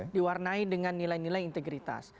diwarnai dengan nilai nilai integritas